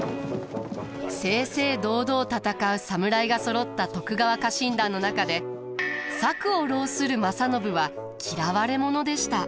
正々堂々戦う侍がそろった徳川家臣団の中で策を弄する正信は嫌われ者でした。